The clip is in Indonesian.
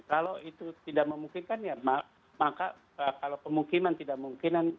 kalau itu tidak memungkinkan ya maka kalau pemukiman tidak mungkinan